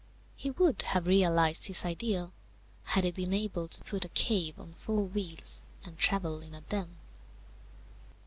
He would have realized his ideal, had he been able to put a cave on four wheels and travel in a den.